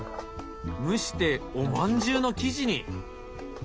蒸しておまんじゅうの生地に！